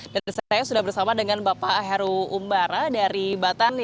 dan saya sudah bersama dengan bapak heru umbara dari batan